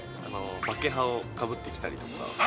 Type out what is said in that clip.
バケハをかぶってきたりとか。